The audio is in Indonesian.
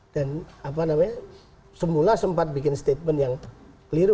dan apa namanya semula sempat bikin statement yang keliru